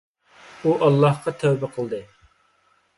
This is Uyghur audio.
ئۇ ئاللاھقا تەۋبە قىلدى.